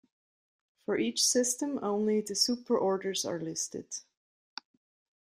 For each system, only the superorders are listed.